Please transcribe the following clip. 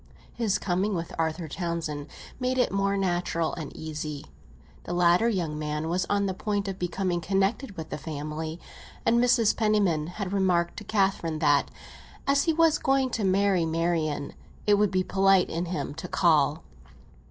His coming with Arthur Townsend made it more natural and easy; the latter young man was on the point of becoming connected with the family, and Mrs. Penniman had remarked to Catherine that, as he was going to marry Marian, it would be polite in him to call.